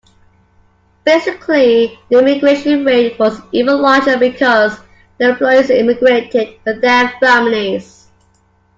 Basically, the immigration rate was even larger because the employees immigrated with their families.